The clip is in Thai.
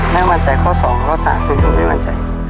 ไม่มั่นใจข้อ๒ข้อ๓ไม่มั่นใจ